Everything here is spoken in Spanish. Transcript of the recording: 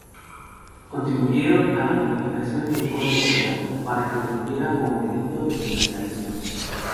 Contribuyeron a la modificación del Código Penal para que incluyera como delito el esclavismo.